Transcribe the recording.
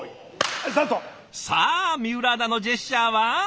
さあ水卜アナのジェスチャーは？